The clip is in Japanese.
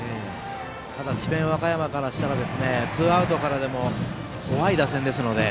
ただ、智弁和歌山からしたらツーアウトからでも怖い打線ですので。